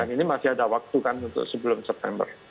dan ini masih ada waktu kan untuk sebelum september